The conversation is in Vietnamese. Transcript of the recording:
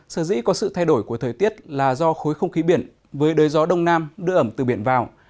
sở dĩ có sự thay đổi của thời tiết là do khối không khí biển với đới gió đông nam đưa ẩm từ biển vào